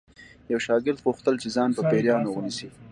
یو شاګرد غوښتل چې ځان په پیریانو ونیسي